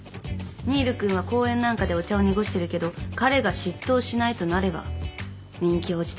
新琉君は講演なんかでお茶を濁してるけど彼が執刀しないとなれば人気は落ちていく。